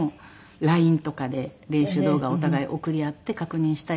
ＬＩＮＥとかで練習動画をお互い送り合って確認したり。